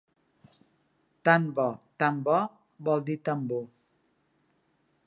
Tan bo, tan bo, vol dir tambor.